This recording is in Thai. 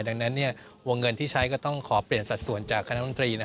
ดังนั้นวงเงินที่ใช้ก็ต้องขอเปลี่ยนสัดส่วนจากคณะมนตรี